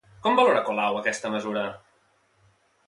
Com valora Colau aquesta mesura?